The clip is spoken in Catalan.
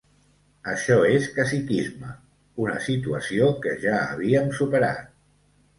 Això és caciquisme, una situació que ja havíem superat.